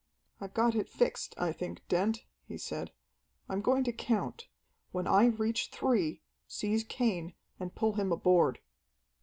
"I've got it fixed, I think, Dent," he said. "I'm going to count. When I reach 'three,' seize Cain and pull him aboard."